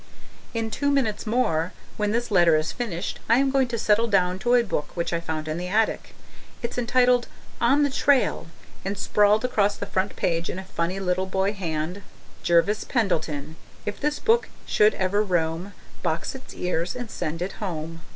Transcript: In two minutes more when this letter is finished I am going to settle down to a book which I found in the attic. It's entitled, On the Trail, and sprawled across the front page in a funny little boy hand: Jervis Pendleton if this book should ever roam, Box its ears and send it home.